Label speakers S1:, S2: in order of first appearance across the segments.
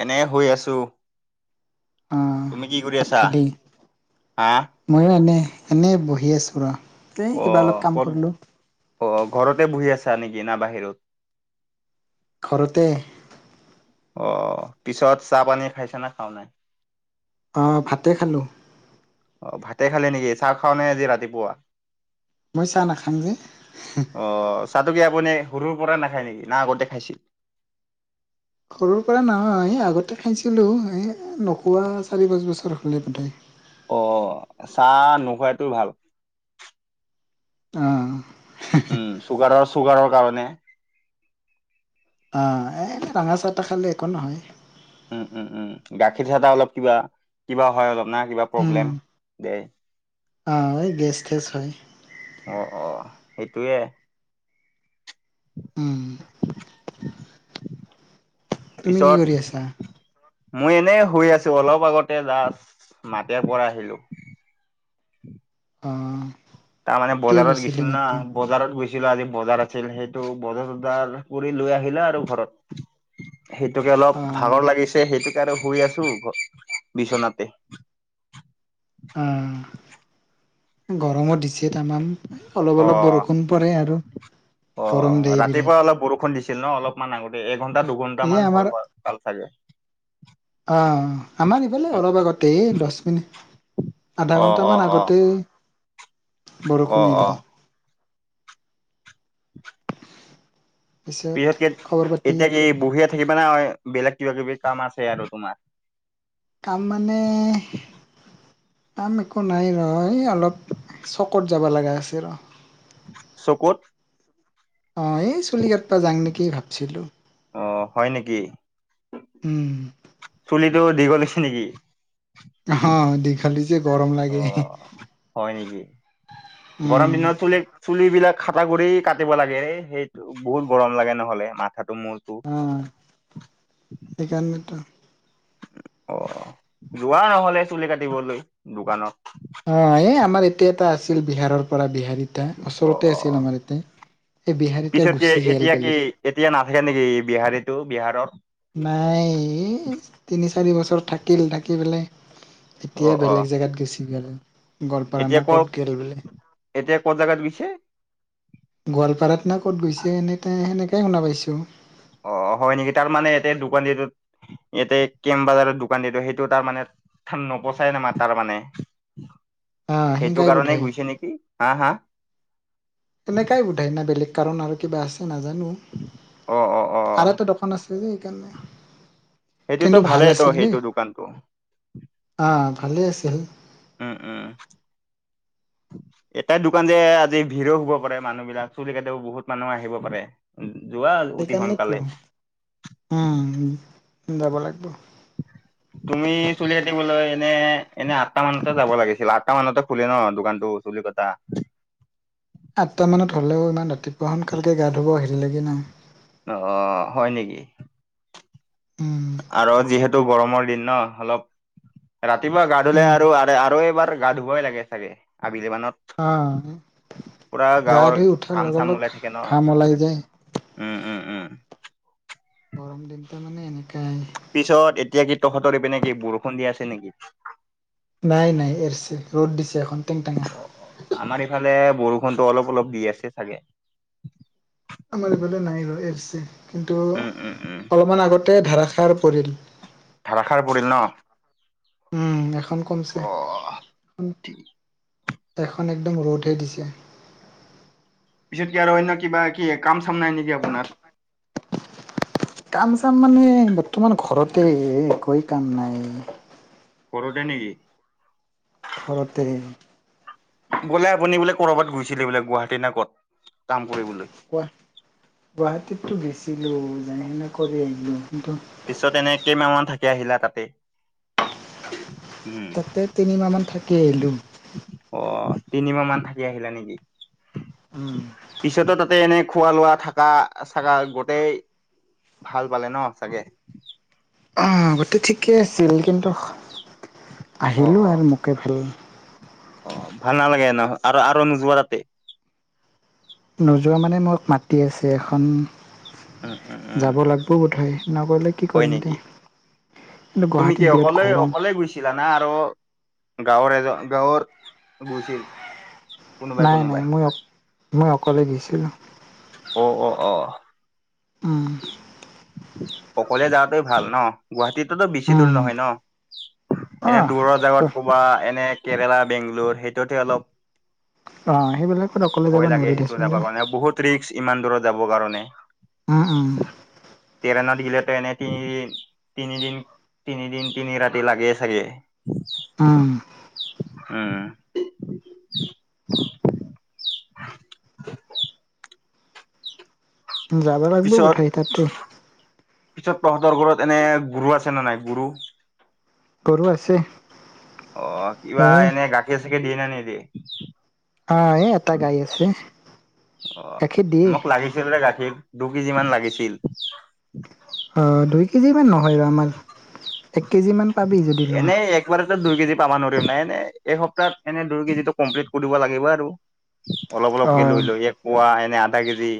S1: এনে শুই আছোঁ।
S2: আহ
S1: তুমি কি কৰি
S2: ভাত
S1: আছা?
S2: খালি
S1: হা
S2: ময়ো এনে- এনেই বহি আছোঁ ৰ'। এই কিবা অলপ
S1: অ'
S2: কাম
S1: ক'ত-
S2: কৰিলো
S1: অ' ঘৰতে বহি আছ ছা নেকি না বাহিৰত?
S2: ঘৰতে।
S1: অ' পিছত চাহপানী খাইছা না খাৱা নাই?
S2: অ' ভাতে খালোঁ।
S1: অ ভাতে খালি নেকি? চাহ খাওঁ নাই আজি ৰাতিপুৱা?
S2: মই চাহ নাখাম যে
S1: অ' চাহটো কি আপুনি সৰুৰ পৰা নাখায় নেকি? না আগতে খাইছিল?
S2: সৰুৰ পৰা নহয়। আগতে খাইছিলোঁ। এই নোখোৱা চাৰি-পাঁচ বছৰ হ'লে বোধহয়।
S1: অ' চাহ নোখোৱাইটো ভাল।
S2: অ'।
S1: উম, চুগাৰৰ- চুগাৰৰ কাৰণে।
S2: অহ এ ৰঙা চাহটা খালে একো নহয়
S1: উম উম উম গাখীৰ চাহতা অলপ কিবা কিবা হয় অলপ না কিবা প্ৰব্লেম দে।
S2: আহ ঐ গেছ থেচ হয়।
S1: টোৱে
S2: উম তুমি কি
S1: পিছত
S2: কৰি আছা?
S1: মই এনে শুই আছো অলপ আগতে জাষ্ট মাতেৰ পৰা আহিলো।
S2: অ
S1: তাৰমানে
S2: কিয়
S1: বজাৰত
S2: গৈছিলি
S1: গৈছিল না
S2: মাতি
S1: বজাৰত গৈছিল ছিলো আজি বজাৰ আছিল সেইটো বজাৰ চজাৰ কৰি লৈ আহিলা আৰু ঘৰত সেইটোকে
S2: অ
S1: অলপ ভাগৰ লাগিছে সেইটোক আৰু শুই আছো বিচনাতে।
S2: অ গৰমো দিছে তামাম অলপ
S1: অ
S2: অলপ বৰষুণ পৰে আৰু। গৰম দে বিৰাত
S1: ছিল ন অলপমান আগতে এঘন্টা দুঘণ্টা মান হ'ল ভাল চাগে
S2: অহ আমাৰ ইফালে অলপ আগতে দহ মিনিট আধা
S1: অ অ
S2: ঘন্টামান
S1: অ
S2: আগতেই
S1: অ
S2: বৰষুণ
S1: অ
S2: এৰিল
S1: [unintelligible]
S2: পিছত
S1: পিছতকে
S2: খবৰ পাতি
S1: এতিয়া কি বুঢ়ী থাকিবা না বেলেগ কিবা কিবি কাম আছে আৰু তোমাৰ
S2: কাম মানে কাম একো নাই ৰ এই অলপ চকত যাব লগা আছে ৰ
S1: চকুত
S2: অ এই চুলি কাটব যাং নেকি ভাবছিলো
S1: অ হয় নেকি
S2: উম
S1: চুলিটো দীঘল হৈছে নেকি
S2: অ দীঘলী যে গৰম
S1: অ
S2: লাগে
S1: হয় নেকি গৰম
S2: উম
S1: দিনত চুলিৰ চুলিবিলাক খাটা গুৰি কাটিব ৰে লাগে সেইটো বহুত গৰম লাগে নহলে মা
S2: অ সেইকাৰণেতো
S1: অ যোৱা নহলে চুলি কাটিবলৈ দোকানত
S2: অ এই আমাৰ এতিয়া এটা আছিল বিহাৰৰ পৰা বিহাৰীটা ওচৰতে আছিল আমাৰ ইয়াতে এই বিহাৰীটা
S1: পিছতকে
S2: গুচি গেল
S1: এতিয়া কি
S2: বেলেগ
S1: এতিয়া নাথাকে নেকি বিহাৰীটো বিহাৰত
S2: নাই এই ফিনিশ চাৰি বছৰ থাকিল থাকি পেলাই
S1: অ
S2: এতিয়াই
S1: অ
S2: বেলেগ জেগাত গৈছিল গেল গোৱাপাৰ না ক'ত গল বোলে
S1: এতিয়া ক'ত জেগাত গৈছে
S2: গোৱালপাৰাত না ক'ত গৈছে এনে সেনেকাই শুনা পাইছো
S1: অ হয় নেকি তাৰ মানে এতে দোকান দিটোত ইয়াতে কেম বাজাৰৰ দোকান দিয়াটো সেইটো তাৰ মানে থান নপচাই না তাৰ মানে
S2: অ
S1: সেইটো
S2: সেনেকাই
S1: কাৰণে
S2: বোধয়
S1: গৈছে নেকি হা হা
S2: এনেকাই বোধ হয় না বেলেগ কাৰণ আৰু কিবা আছে নাজানো
S1: অ অ অ
S2: আৰু এটা দোকান আছে যে এইকাৰণে
S1: সেইটোতো ভালেই তো সেইটো দোকানটো
S2: অ ভালে আছে
S1: উম উম উ এটাই দোকান যে আজি ভিৰো হব পাৰে মানুহ বিলাক চুলি কাটিব বহুত মানুহ আহিব পাৰে যোৱা অতি সোনকালে
S2: সেইকাৰণেতো উম যাব লাগিব
S1: তুমি চুলি কাটিবলৈ এনে এনে আঠটা মানতে যাব লাগিছিল আঠটা মানতে খুলে ন দোকানতো চল কথা [unintelligible]
S2: আঠটা মানত য লাগ ন [unintelligible]
S1: আহ হয় নেকি?
S2: উম।
S1: আৰু যিহেতু গৰমৰ দিন ন। অলপ ৰাতিপুৱা গা ধুলে
S2: উম
S1: আৰু আৰু এইবাৰ। গা ধুবই লাগে চাগে। আবেলি মানত
S2: আহ'
S1: পুৰা গাঁৱৰ ঘাম চাম ওলাই থাকে ন
S2: ঘাম ওলাই যায়।
S1: উম উম উম। উ [inaudible]
S2: গৰম দিনতে মানে এনেকাই।
S1: পিছত এতিয়া কি তহঁতৰপি ন কি বৰষুণ দিয়া আছে নেকি।
S2: নাই নাই এৰছে ৰ'দ দিছে। এখন টেংটেঙা
S1: অ আমাৰ ইফালে বৰষুণতো অলপ অলপ দি আছে চাগে।
S2: আমাৰ এইফালে নাই ৰছে কিন্তু
S1: উম উম উম
S2: অলপমান আগত। ধাৰষাৰ পৰিল।
S1: ধাৰষাৰ পৰিল ন?
S2: উম এখন কমছে
S1: অ
S2: খন। এখন একদম ৰ'দহে দিছে।
S1: পিছত কি আৰু অন্য কিবা কি কাম চাম নাই নেকি আপোনাৰ?
S2: কাম চাম মানে বৰ্তমান ঘৰতে একোৱেই কাম নাই।
S1: ঘৰতে নেকি?
S2: ঘৰতে।
S1: গ'লে আপুনি বোলে ক'বাত গৈছিলে বোলে গুৱাহাটী না ক'ত কাম? কৰিবলৈ
S2: গুৱাহাটীততো গেছিলো যেনে তেনে কৰি আহিলো কিন্তু'
S1: পিছত এনে কেইমাহ মান থাকি আহিলা তাতে। উম
S2: তাতে তিনিমাহ মান থাকি আহিলোঁ।
S1: অ তিনিমাহ মান থাকি আহিলা নেকি
S2: উম
S1: পিছতো ত। তাতে এনে খোৱা লোৱা থাকা চাগা গোটই ভাল পালে ন চাগে।
S2: গোটেই ঠিকেই আছিল কিন্তু
S1: অ
S2: আহিলোঁ
S1: অ
S2: আৰু মোকে ভাল।
S1: অ ভাল নালাগে ন আৰু আৰু নোযোৱা তাতে।
S2: নোযোৱা মানে মোক মাতি আছে এখন।
S1: উম উম উম
S2: যাব লাগিব বোধয় নগলে কি
S1: হয়
S2: কৰিম দে।
S1: নেকি
S2: কিন্তু
S1: তুমি কি
S2: গুৱাহাটীত বিৰাট
S1: অকলে
S2: গৰম
S1: অকলে গৈছিলা না আৰু? গাঁওৰ এজ গাঁৱৰ গৈছিল। কোনোবাই
S2: নাই নাই
S1: কোনোবাই
S2: মই, মই অকলে গৈছিলোঁ'
S1: অ অ অ।
S2: উম
S1: অকলে যাৱাতে ভাল ন গুৱাহাটীত। তোত বেছি দূৰ
S2: উম
S1: নহয় ন? এনে
S2: আহ
S1: দূৰৰ জাগাত ক'বা এনে। কেৰেলা বেংগলোৰ সেইটোত হে অলপ।
S2: অ সেইবিলাকত অকলে যাব
S1: ভয়
S2: নোৱাৰি
S1: লাগে সেইটো
S2: দেচোন দে
S1: যাব কাৰণে বহুত ৰিক্স। ইমান দূৰত যাব কাৰণে।
S2: উম উম।
S1: ট্ৰেইনত গিলেতো এনে তিনিদিন তিনিদিন, তিনিদিন তিনি ৰাতি লাগে চাগে।
S2: উম'
S1: উম।
S2: যাব লাগব বুধ
S1: পিছত
S2: হয় ততে।
S1: পিছত তহতৰ ঘৰত এনে গৰু আছে নে নাই গৰু?
S2: গৰু আছে।
S1: অ, কিবা
S2: এ
S1: এনে গাখীৰ চাখীৰ দিয়ে না‌ নিদিয়ে।
S2: অ এ এটা গাই আছে
S1: অ
S2: গাখীৰ দিয়ে
S1: মোক লাগিছিল যে গাখীৰ। দু কেজিমান লাগিছিল।
S2: অ দুই কেজিমান নহয় আমাৰ এক কেজি মান পাবি যদি লোৱা
S1: এনেই একবাৰেত দুই কেজি পাব ন নাই এ এসপ্তাহত এনে দুই কেজি টো কমল্পিত কৰিব লাগিব আৰু অলপ
S2: অ
S1: অলপকে লৈ লৈ এক পোৱা এনে আধা কেজি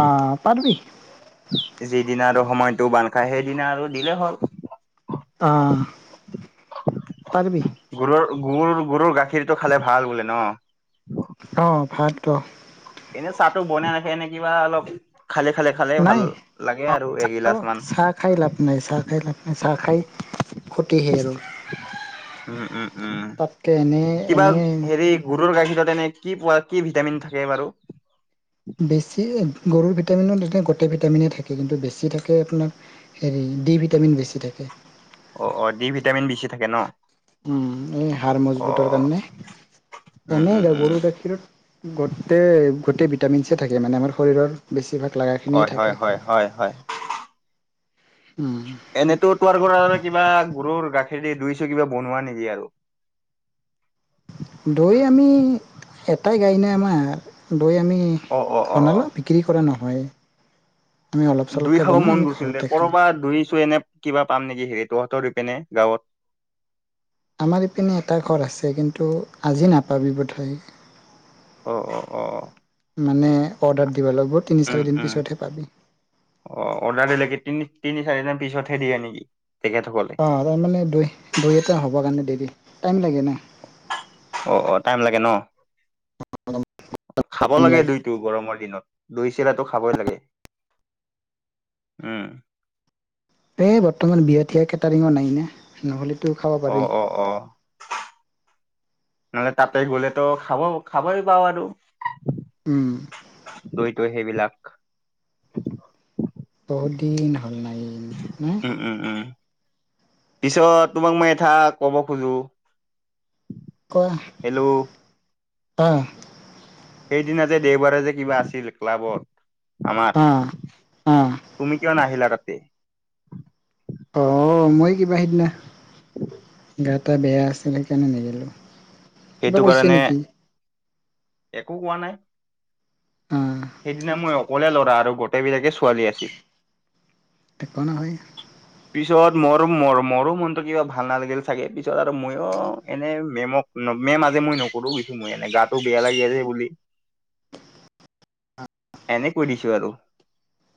S2: অ পাৰবি
S1: যিদিনা আৰু সময়তটো বান্ধ খাই সেইদিনা আৰু দিলেই হ'ল
S2: অ পাৰিবি
S1: গৰুৰ গুৰ গৰুৰ গাখীৰটো খালে ভাল বোলে ন
S2: অ [unintelligible]
S1: এনেই চাহটো বনাই ৰাখে নে কিবা অলপ খালে খালে খালে ভাল
S2: নাই
S1: লাগে আৰু
S2: চাহ
S1: এগিলাচ মান
S2: চাহ খাই লাভ নাই চাহ খাই লাভ নাই চাহ খাই ফুৰ্ত হে আৰু
S1: উম উম উম
S2: তাতকে এনে
S1: কিবা
S2: এনে
S1: হেৰি গৰুৰ গাখীৰ এনে কি পোৱা কি ভিটামিন থাকে বাৰু
S2: বেছি গৰুৰ ভিটামিনত তে গোটেই ভিটামিনে থাকে কিন্তু বেছি থাকে আপোনাৰ হেৰি ডি ভিটামিন বেছি থাকে। [inaudible]
S1: অ-অ দি ভিটামিন বেচি থাকে ন।
S2: এই হাৰ
S1: অ
S2: মজবুতৰ কাৰণ [unintelligible]
S1: উম
S2: তেনে
S1: উম উম
S2: গৰুৰ গাখীৰত গোটেই-গোটেই ভিটামিন চেই থাকে মানে আমাৰ শৰীৰৰ বেছিভাগ
S1: হয়
S2: লগাখিনিয়ে
S1: হয়
S2: থাকে
S1: হয় হয় হয়
S2: উম,
S1: এনেতো তোৰ পৰা আৰু কিবা গৰুৰ গাখীৰ খেতি দুইছো কিবা বনোৱা নেকি আৰু
S2: দৈ আমি এটাই গাই ন আমাৰ দৈ আমি
S1: অ অ অ
S2: বনালোঁ বিক্ৰী কৰা নহয় আমি অলপ
S1: দৈ
S2: চলপকৈ
S1: খাব
S2: বনাওঁ
S1: মন
S2: আমি
S1: গৈছিল দে
S2: ঘৰতে খাওঁ
S1: কৰ'বাত দৈ চো এনে কিবা পাম নেকি হেৰি তহঁতৰ পিনে গাঁৱত
S2: আমাৰ ইপিনে এটা ঘৰ আছে কিন্তু আজি নাপাবি বোধ হয়
S1: অ-অ-অ
S2: মানে অৰ্ডাৰ দ
S1: উম-উম। অ অৰ্ডাৰ দিলে কি তিনি-তিনি চাৰিদিন পিছতহে দিয়ে নেকি? তেখেতসকলে
S2: অ তাৰমানে দুই-দুই এটা হ'ব কাৰণে দেৰি টাইম লাগে ন
S1: অ-অ টাইম লাগে ন খাব লাগে দুইটো গৰমৰ দিনত দৈ চিৰাটো খাবই লাগে উম!
S2: এ বৰ্তমান বিয়া-ঠিয়া কেটাৰিঙৰ নাই ন নহ'লেতো খাব
S1: অ
S2: পাৰি
S1: অ অ নহলে তাতে গ'লেতো খাব খাবই পাওঁ আৰু
S2: উম
S1: দৈ-চৈ সেইবিলাক
S2: বহুত দিন হ'ল নাই ন
S1: উম উম উম পিছত তোমাক মই এটা কব খোজো হেল্ল'
S2: আহ
S1: সেইদিনা যে দেওবাৰে যে কিবা আছিল ক্লাবত আমাৰ
S2: অ অ
S1: তুমি কিয় নাহিলা তাতে
S2: আহ মই কিবা সিদিনা গাটা বেয়া আছিল সেইকাৰণে ন‌গলোঁ
S1: সেইটো কাৰণে একো কোৱা নাই
S2: অ
S1: সেইদিনা মই অকলে ল'ৰা আৰু গোটেইবিলাকে ছোৱালী আছিল
S2: ঠিকনা নাই [unintelligible]
S1: পিছত মোৰ-মোৰো মনতটো কিবা ভাল নালাগিল চাগে পিছত আৰু মইয়ো এনে মেম [unintelligible] মেম আজে মই নকৰো বছো মই এনে গাটো বেয়া লাগি আছে বুলি [unintelligible] এনে কৈ দিছোঁ আৰু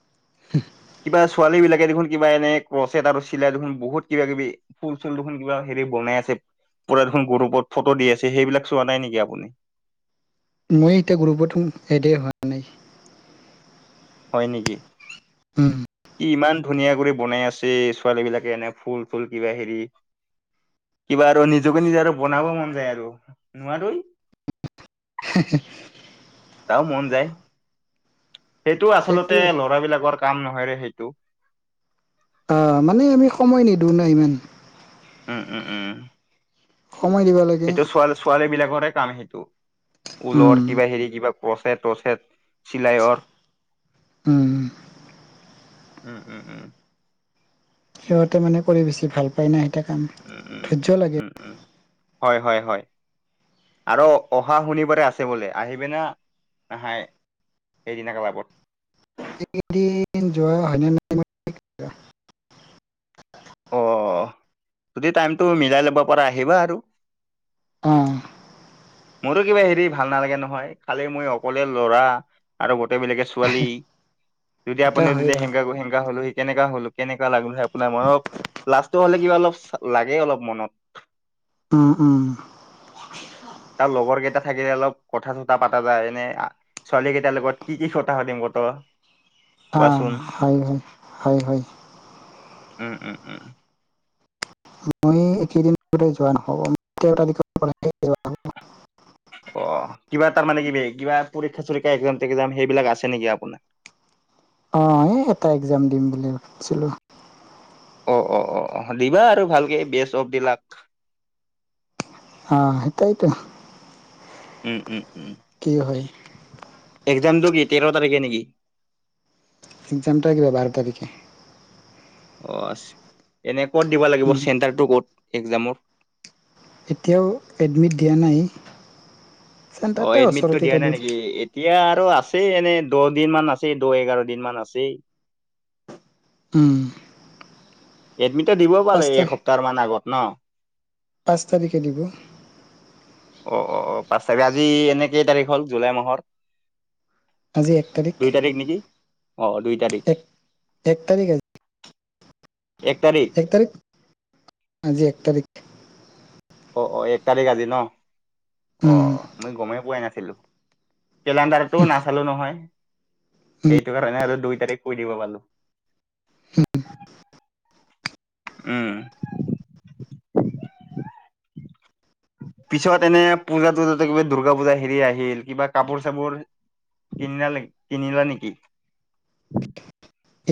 S1: [unintelligible] কিবা ছোৱালীবিলাকে দেখোন কিবা এনে প্ৰচট আৰু চিলাই দেখোন বহুত কিবা-কিবি ফুল-চুল দেখোন কিবা হেৰি বনাই আছে। দেখোন গৰপত ফটো দি আছে সেইবিলাক চোৱা নাই নেকি আপুনি?
S2: মই এতিয়া গ্ৰৰুপত এদে হোৱা নাই।
S1: হয় নেকি?
S2: হুম
S1: কি ইমান ধুনীয়া কৰি বনাই আছে ছোৱালী বিলাকে এনে ফুল-চুল কিবা হেৰি কিবা আৰু নিজকে নিজে আৰু বনাব মন যায় আৰু নোৱাৰেই
S2: [unintelligible]
S1: তও মন যায়। সেইটো আচলতে
S2: সেইটোৱে
S1: ল'ৰাবিলাকৰ কাম নহয়ৰে সেইটো
S2: অ মানে আমি সময় নিদিওঁ ন ইমান।
S1: উম-উম-উম।
S2: সময় দিব লাগে
S1: সেইটো ছোৱাল ছোৱালী বিলাকৰে কাম সেইটো
S2: উম
S1: ঊলৰ কিবা হেৰি কিবা। পচেত তছেত।
S2: উম।
S1: উম উম উম
S2: সিহঁতে মানে কৰি বেছি ভাল পাই ন সিতে কাম
S1: উম উম
S2: ধৈৰ্য লাগে
S1: উম উম হয় হয় হয়। আৰু অহা শুনিবাৰে আছে বোলে আহিবে না নহাই সেইদিনা কলাবত।
S2: এইদিন যোৱা হান ন।
S1: অ যদি টাইমটো মিলাই ল'ব পৰা আহিবা আৰু
S2: আহ
S1: মইতো কিবা হেৰি ভাল নালাগে নহয় খালি মই অকলে লৰা আৰু গোটেই বিলগে ছোৱালী যদি
S2: এতিয়া
S1: আপুনিও
S2: হয়
S1: যদি
S2: ৰ
S1: হেংগা হলেও কেনেকা হল কেনেকা লাগলো আপোনাৰ মনত লাষ্টটো হ'লে কিবা অলপ লাগে অলপ মনত
S2: উম উম
S1: তাৰ লগৰ কেইটা থাকিলে অলপ কথা চতা পতা যায় এনে ছোৱালী কেইটাৰ লগত কি কি কথা সুতিম ফট
S2: অ হয় হয় হয় হয়।
S1: উম উম উম উ।
S2: মই এইকেইদিন যোৱা নহব [unintelligible]
S1: অ কিবা এ তাৰ মানে কিবি কিবা পৰীক্ষা চৰীক্ষা একজাম টে্জাম সেইবিলাক আছে নেকি আপোনাৰ
S2: অ এই এটা এক্জাম দিম বুলি ভাবছিলো।
S1: অ অ অ দিবা আৰু ভালকে বেষ্ট অফ দিলাক।
S2: আহ সটাইটো
S1: উম উম উম।
S2: কি হয়
S1: একজামটো কি তেৰ তাৰিখে নেকি?
S2: এক্সামটো কিবা বাৰ তাৰিখে।
S1: অ আ এনে ক'ত দিব লাগিব
S2: উম
S1: চেণ্টাৰতটো ক'ত এক্জামৰ।
S2: এতিয়াও এডমিট দিয়া নাই।
S1: অ
S2: চেণ্টাৰতে
S1: এডমিটটো
S2: ওচৰতে
S1: দিয়া
S2: এতিয়া
S1: নাই
S2: দূৰ
S1: নেকি এতিয়া। তো আছেই এনে দহ দিন মান আছেই দহ এঘাৰ দিন মান আছেই।
S2: উম
S1: এডমিটটো দিব পালে
S2: পাঁচ তাৰিখ
S1: এসপ্তাহমান আগত ন।
S2: পাঁচ তাৰিখে দিব
S1: অ অ পা আজি এনেকেই তাৰিখ হল জুলাই মাহৰ।
S2: আজি এক
S1: দুই তাৰিখ নেকি অ দুই তাৰিখ।
S2: এক এক তাৰিখ আ। এক তাৰিখ আজি এক তাৰিখ।
S1: অ অ, এক তাৰিখ আজি ন? অ
S2: উম
S1: মই গমেই পোৱাই নাছিলো। কেলেণ্ডাৰতো নাচালো নহয়। সেইটো কাৰণে আৰু দুই তাৰিখ কৈ দিব পালো।
S2: হম।
S1: উম। পিছত এনে পূজাটো যাতে কিবা দূৰ্গা পূজা হেৰি আহিল কিবা কাপোৰ চাপোৰ। কিনাল কিনিলা নেকি?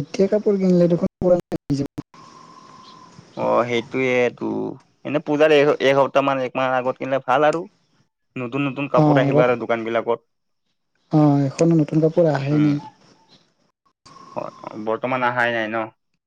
S2: এটয়া কাপোৰ কিনিল দেখ পজ।
S1: অ সেইটোয়েই টো এনে পূজাৰ এসপ্তাহ মান এক মাহ আগত কিনিলে ভাল আৰু। নতুন নতুন কাপোৰ আহিবা আৰু দোকান বিলাকত।
S2: আহ এখনো নতুন কাপোৰ আহে
S1: উম,
S2: নাই।
S1: হয় বৰ্তমান অহাই নাই ন?